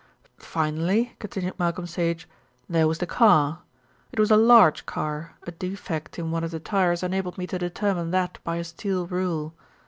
"Finally," continued Malcolm Sage, "there was the car. It was a large car, a defect in one of the tyres enabled me to determine that by a steel rule.